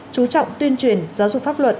chú trọng tuyên truyền giáo dục pháp luật